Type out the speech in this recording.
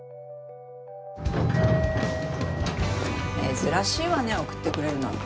珍しいわね送ってくれるなんて。